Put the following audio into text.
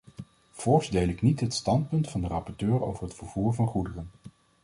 Voorts deel ik niet het standpunt van de rapporteur over het vervoer van goederen.